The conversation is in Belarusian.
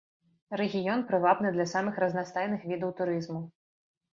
Рэгіён прывабны для самых разнастайных відаў турызму.